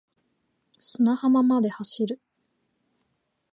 砂浜まで乗る wave